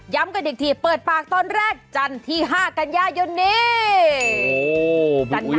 กันอีกทีเปิดปากตอนแรกจันทร์ที่๕กันยายนนี้